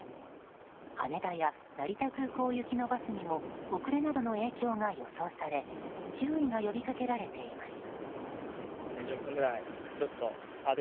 羽田や成田空港行きのバスにも遅れなどの影響が予想され注意が呼びかけられています。